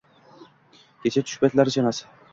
Kecha… tush paytlari chamasi